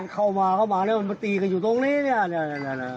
เข้ามาเข้ามาแล้วมันมาตีกันอยู่ตรงนี้เนี่ย